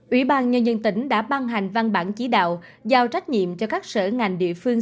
ủy ban nhân dân tỉnh đã ban hành văn bản chỉ đạo giao trách nhiệm cho các sở ngành địa phương